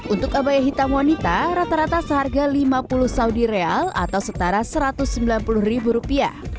untuk abaya hitam wanita rata rata seharga lima puluh saudi real atau setara rp satu ratus sembilan puluh